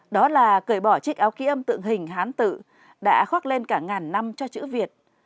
đó là cởi bỏ chiếc áo ký âm tượng hình hán tự đã khoác lên cả ngàn năm cho chữ việt